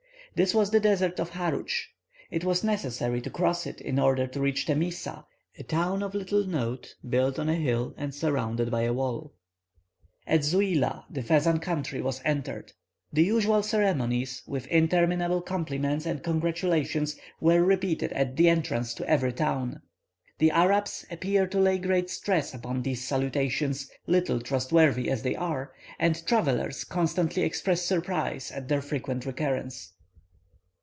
This was the desert of Harutsch. It was necessary to cross it in order to reach Temissa, a town of little note, built upon a hill, and surrounded by a high wall. At Zuila the Fezzan country was entered. The usual ceremonies, with interminable compliments and congratulations, were repeated at the entrance to every town. The Arabs appear to lay great stress upon these salutations, little trustworthy as they are, and travellers constantly express surprise at their frequent recurrence.